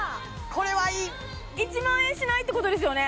これはいい１万円しないってことですよね